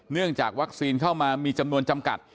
จากวัคซีนเข้ามามีจำนวนจำกัด